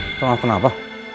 minta maaf kenapa